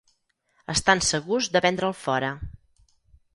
Estan segurs de vendre'l fora.